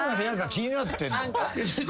気になってんの。